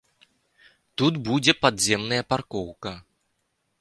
Тут будзе падземная паркоўка.